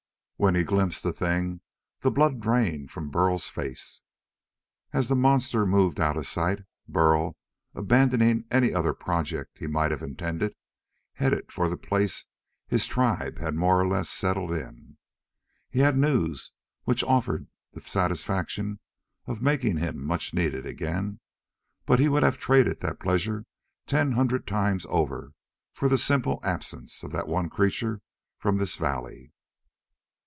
When he glimpsed the thing the blood drained from Burl's face. As the monster moved out of sight Burl, abandoning any other project he might have intended, headed for the place his tribe had more or less settled in. He had news which offered the satisfaction of making him much needed again, but he would have traded that pleasure ten hundred times over for the simple absence of that one creature from this valley.